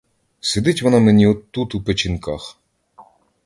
Сидить вона мені от тут у печінках.